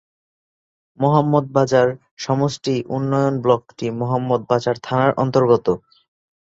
মহম্মদ বাজার সমষ্টি উন্নয়ন ব্লকটি মহম্মদ বাজার থানার অন্তর্গত।